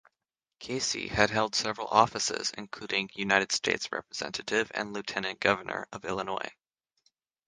Casey had held several offices including United States Representative and Lieutenant Governor of Illinois.